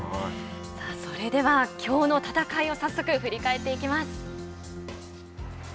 さあ、それではきょうの戦いを早速振り返っていきます。